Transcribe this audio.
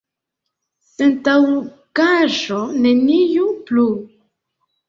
Sentaŭgaĵo, nenio plu!